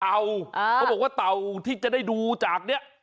เขาบอกว่าเต่าที่จะได้ดูจากนี้